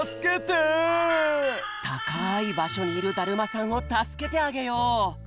たかいばしょにいるだるまさんをたすけてあげよう！